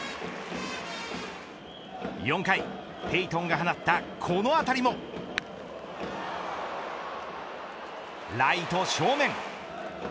４回、ペイトンが放ったこの当たりもライト正面。